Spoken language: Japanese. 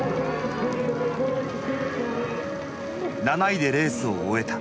７位でレースを終えた。